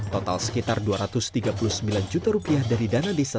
paut giri kumara